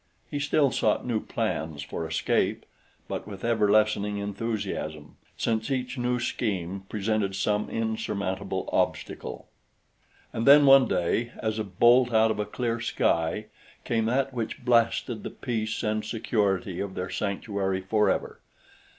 He still sought new plans for escape, but with ever lessening enthusiasm, since each new scheme presented some insurmountable obstacle. And then one day as a bolt out of a clear sky came that which blasted the peace and security of their sanctuary forever.